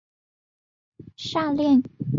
下列意大利天主教教区列表。